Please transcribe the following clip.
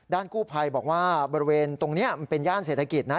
กู้ภัยบอกว่าบริเวณตรงนี้มันเป็นย่านเศรษฐกิจนะ